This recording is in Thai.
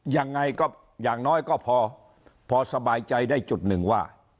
ยังไงก็อย่างน้อยก็พอสบายใจได้จุดหนึ่งว่า